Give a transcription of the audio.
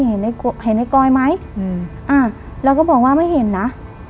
เห็นในเห็นในกอยไหมอืมอ่าเราก็บอกว่าไม่เห็นนะ